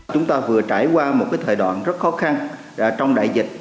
chúng ta vừa trải qua một thời đoạn rất khó khăn trong đại dịch